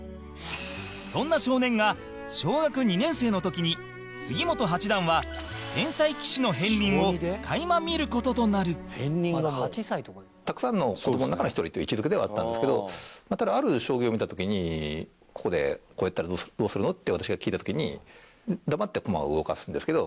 そんな少年が小学２年生の時に杉本八段は、天才棋士の片鱗を垣間見る事となるたくさんの子どもの中の１人という位置付けではあったんですけどただ、ある将棋を見た時にここで、こうやったらどうするの？って私が聞いた時に黙って駒を動かすんですけど。